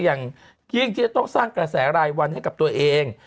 ้ยงที่ต้องสร้างกระแสรายวันให้กับตัวเอง